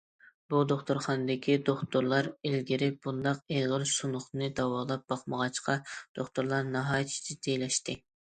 بۇ دوختۇرخانىدىكى دوختۇرلار ئىلگىرى بۇنداق ئېغىر سۇنۇقنى داۋالاپ باقمىغاچقا، دوختۇرلار ناھايىتى جىددىيلەشتى.